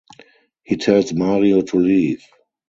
He tells Mario to leave.